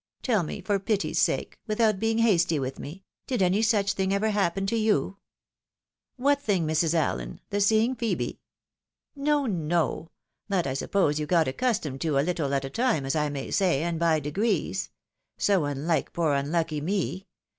Tell me, for pity's sake, without being hasty with me, did any such thing ever happen to you ?"" What thing, Mrs. AUen ? The seeing Phebe ?"" No, no, that I suppose you got accustomed to a Uttle at a time, as I may say, and by degrees. So unhke poor unlucky me